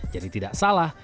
jadi tidak salah